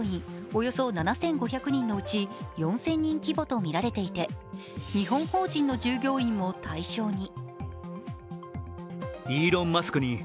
およそ７５００人のうち４０００人規模とみられていて日本法人の従業員も対象に。